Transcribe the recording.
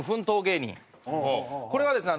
これはですね